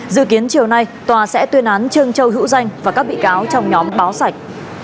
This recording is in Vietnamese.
dự kiến chiều nay tòa sẽ tuyên án trương châu hữu danh và các bị cáo trong nhóm báo sạch